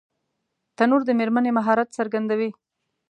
تنور د مېرمنې مهارت څرګندوي